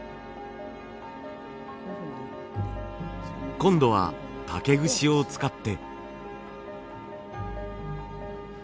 今度は竹串を使って。